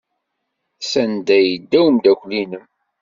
Sanda ay yedda umeddakel-nnem?